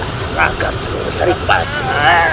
serahkan ku seripan